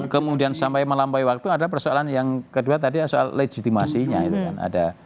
kemudian sampai melampaui waktu ada pertanyaan yang kedua tadi soal legitimasi ya